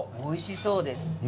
おいしそうです。